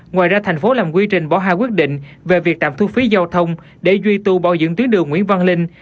ngoài ra thành phố làm quy trình bỏ hai quyết định về việc trạm thu phí giao thông để duy tù bảo dựng tuyến đường nguyễn văn linh